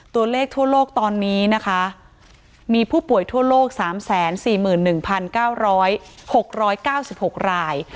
ตัวเลขทั่วโลกตอนนี้นะคะมีผู้ป่วยทั่วโลก๓๔๑๙๐๖๙๖ราย